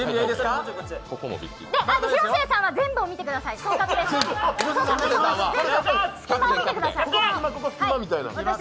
広末さんは全部を見てください、総括です。